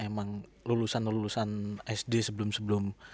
emang lulusan lulusan sd sebelum sebelum